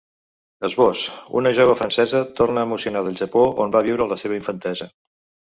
Esbós: Una jove francesa torna emocionada al Japó, on va viure la seva infantesa.